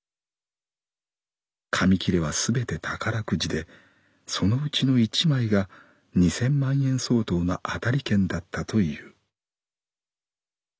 紙きれは全て宝くじでそのうちの一枚が二千万円相当の当たり券だったという」。